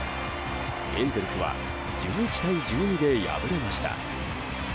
エンゼルスは１１対１２で敗れました。